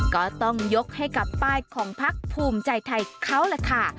ก็ต้องยกให้กับป้ายของพักภูมิใจไทยเขาล่ะค่ะ